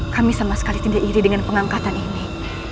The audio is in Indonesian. kami sama sekali tidak iri dengan pengangkatan ini